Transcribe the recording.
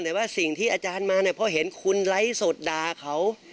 เพราะเห็นคุณไร้สดดาเขา